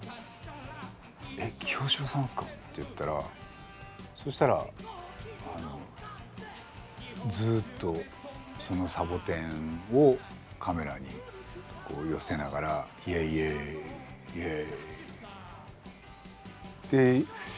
「えっ清志郎さんですか？」と言ったらそしたらずっとそのサボテンをカメラに寄せながら「イエイイエーイイエー」って。